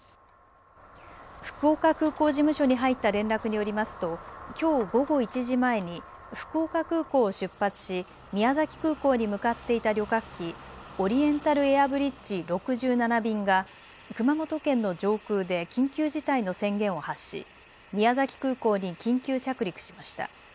福岡空港事務所に入った連絡によりますと、きょう午後１時前に福岡空港を出発し宮崎空港に向かっていた旅客機、オリエンタルエアブリッジ６７便が熊本県の上空で緊急事態の宣言を発し宮崎空港に緊急着陸しました。